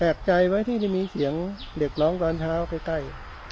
ใจไหมที่จะมีเสียงเด็กร้องตอนเช้าใกล้